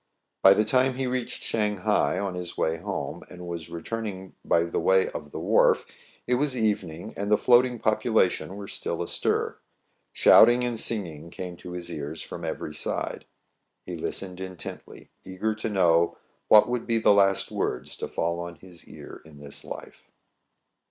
By the time he reached Shang hai on his way home, and was returning by the way of the wharf, it was evening, and the floating population were still astir. Shouting and singing came to his ears from every side. He listened intently, eager to know what would be the last words to fall on his ear in this life.